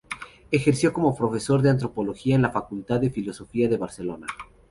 Ejerció como profesor de Antropología en la Facultad de Filosofía de Barcelona.